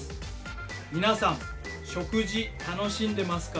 皆さん食事楽しんでますか？